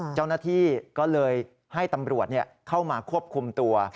เจ้าหน้าที่ก็เลยให้ตำรวจเข้ามาควบคุมตัว